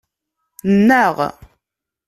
Nnaɣ.